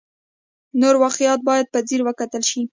نور واقعیات باید په ځیر وکتل شي.